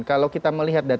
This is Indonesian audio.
kalau kita melihat data sulit